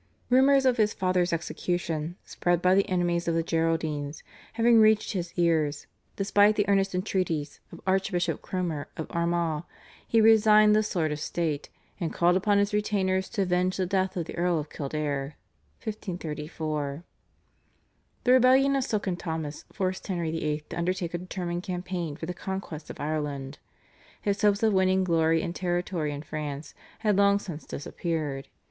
Rumours of his father's execution, spread by the enemies of the Geraldines, having reached his ears, despite the earnest entreaties of Archbishop Cromer of Armagh, he resigned the sword of state, and called upon his retainers to avenge the death of the Earl of Kildare (1534). The rebellion of Silken Thomas forced Henry VIII. to undertake a determined campaign for the conquest of Ireland. His hopes of winning glory and territory in France had long since disappeared.